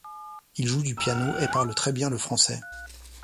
Il joue du piano et parle très bien le français.